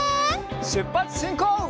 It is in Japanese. しゅっぱつしんこう！